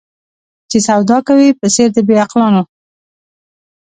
چي سودا کوې په څېر د بې عقلانو